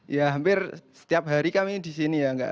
ya hampir setiap hari kami disini ya